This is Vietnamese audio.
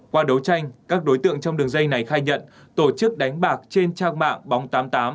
qua đấu tranh các đối tượng trong đường dây này khai nhận tổ chức đánh bạc trên trang mạng bóng tám mươi tám